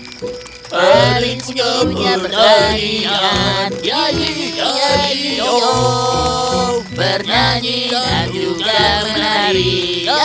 haris punya pertanian